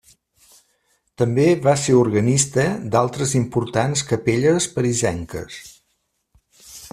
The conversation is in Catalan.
També va ser organista d'altres importants capelles parisenques.